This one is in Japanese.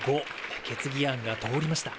決議案が通りました。